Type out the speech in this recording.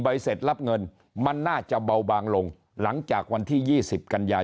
เสร็จรับเงินมันน่าจะเบาบางลงหลังจากวันที่๒๐กันยา